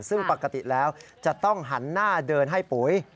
ซึ่งปกติแล้วจะต้องหันหน้าเดินให้ปุ๋ย